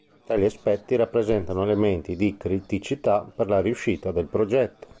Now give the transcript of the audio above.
Tali aspetti rappresentano elementi di criticità per la riuscita del progetto.